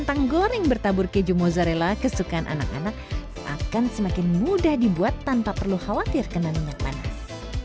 kentang goreng bertabur keju mozzarella kesukaan anak anak akan semakin mudah dibuat tanpa perlu khawatir kena minyak panas